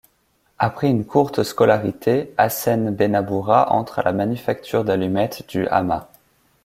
Après une courte scolarité, Hacène Benaboura entre à la manufacture d'allumettes du Hamma.